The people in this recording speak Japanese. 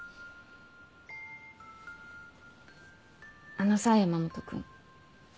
あのさ山本君。